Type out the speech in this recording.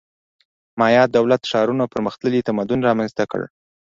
مایا دولت ښارونو پرمختللی تمدن رامنځته کړ